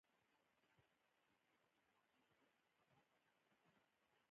پابندي غرونه د افغانستان د ځانګړې جغرافیې استازیتوب کوي.